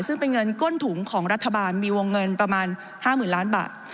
ซึ่งเป็นเงินก้นถุงของรัฐบาลมีวงเงินประมาณ๕๐๐๐ล้านบาท